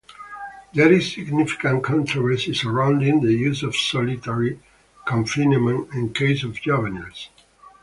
There is significant controversy surrounding the use of solitary confinement in cases of juveniles.